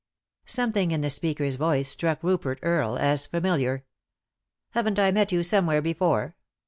Something in the speaker's voice struck Rupert Earle as familiar. " Haven't I met you somewhere before